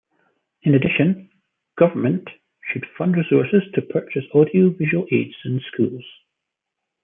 In addition, government should fund resources to purchase audio-visual aids in schools.